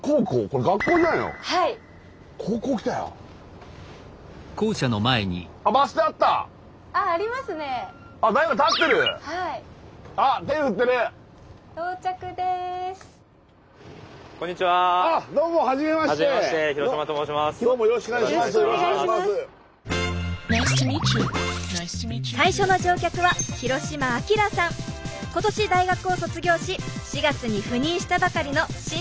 今年大学を卒業し４月に赴任したばかりの新人先生です。